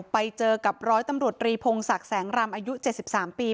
ไปเจอกับร้อยตำรวจรีพงศักดิ์แสงรำอายุ๗๓ปี